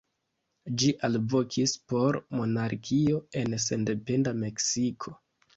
Ĝi alvokis por monarkio en sendependa Meksiko.